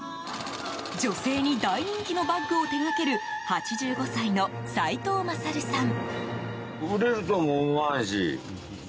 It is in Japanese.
女性に大人気のバッグを手掛ける８５歳の齋藤勝さん。